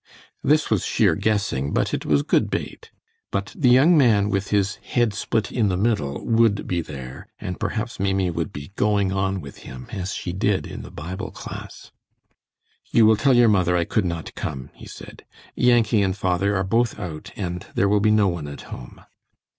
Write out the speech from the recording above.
This was sheer guessing, but it was good bait. But the young man with "his head split in the middle" would be there, and perhaps Maimie would be "going on," with him as she did in the Bible class. "You will tell your mother I could not come," he said. "Yankee and father are both out, and there will be no one at home."